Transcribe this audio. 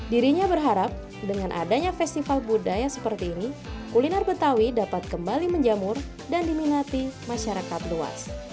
dirinya berharap dengan adanya festival budaya seperti ini kuliner betawi dapat kembali menjamur dan diminati masyarakat luas